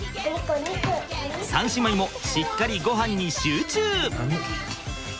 ３姉妹もしっかりごはんに集中！